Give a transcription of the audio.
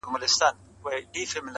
• چي يې نوم وای تر اسمانه رسېدلی -